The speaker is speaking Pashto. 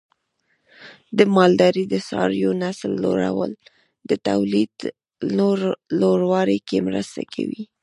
د مالدارۍ د څارویو نسل لوړول د تولید لوړوالي کې مرسته کوي.